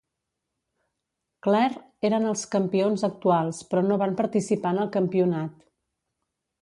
Clare eren els campions actuals però no van participar en el campionat.